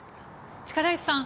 力石さん